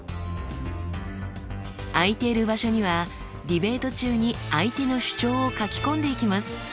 空いている場所にはディベート中に相手の主張を書き込んでいきます。